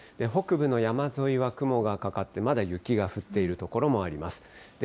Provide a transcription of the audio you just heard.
北部の山沿いは雲がかかって、まだ雪が降っている所もあります。